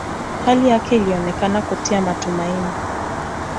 Hali yake ilionekana kutia matumaini